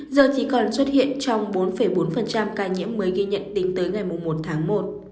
giờ chỉ còn xuất hiện trong bốn bốn ca nhiễm mới ghi nhận tính tới ngày một tháng một